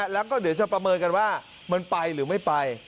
แล้วก็เดี๋ยวจะประเมินกันว่ามันไปหรือไม่ไป